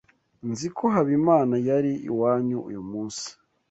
Nzi ko Habimana yari iwanyu uyu munsi.